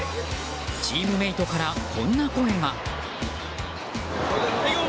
チームメートから、こんな声が。